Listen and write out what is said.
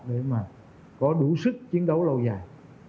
để mà có đủ sức chiến đấu lâu dài